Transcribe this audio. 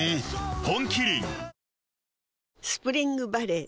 本麒麟スプリングバレー